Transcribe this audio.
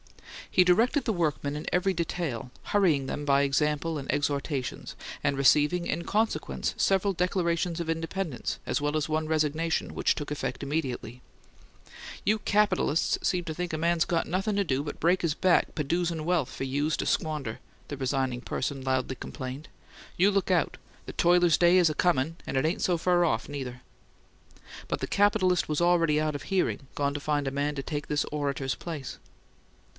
He directed the workmen in every detail, hurrying them by example and exhortations, and receiving, in consequence, several declarations of independence, as well as one resignation, which took effect immediately. "Yous capitalusts seem to think a man's got nothin' to do but break his back p'doosin' wealth fer yous to squander," the resigning person loudly complained. "You look out: the toiler's day is a comin', and it ain't so fur off, neither!" But the capitalist was already out of hearing, gone to find a man to take this orator's place.